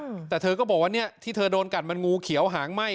อืมแต่เธอก็บอกว่าเนี้ยที่เธอโดนกัดมันงูเขียวหางไหม้